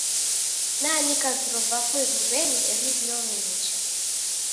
Naanika viro vapo irumenyi eri viome nicha.